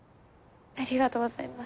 ありがとうございます。